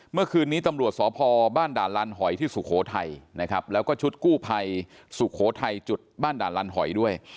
เมื่อคืนนี้ตำรวจสพบ้านด่านลันหอยที่สุโขทัยนะครับแล้วก็ชุดกู้ภัยสุโขทัยจุดบ้านด่านลันหอยด้วย